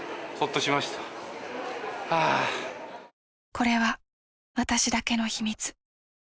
これは私だけの秘密。